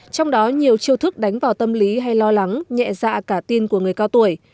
trong đó nhiều chiêu thức đánh vào tâm lý hay lo lắng nhẹ dạ cả tin của người cao tuổi